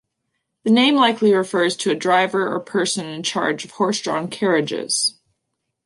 The name likely refers to a driver or person in charge of horse-drawn carriages.